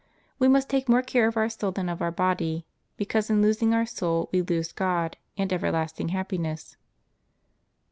We must take more care of our soul than of our body, because in losing our soul we lose God and everlasting happiness.